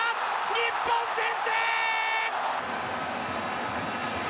日本先制！